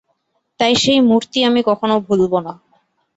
তাই সেই মূর্তি আমি কখনো ভুলব না।